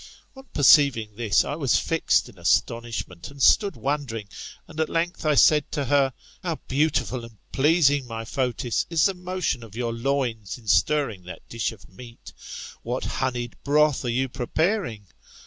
On perceiving this I was fixed in astonishment aiid stocd wondering ; and at length I said to her. How beautiful and pleasing, my Fotis, is the motion of yCix loins in stirring that dish of meat 1 what honeyed broth are you preparing